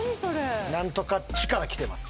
何とかっちからきてます。